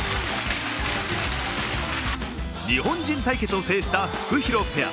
日本人対決を制したフクヒロペア。